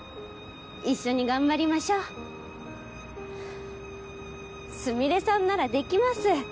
一緒に頑張りましょうスミレさんならできます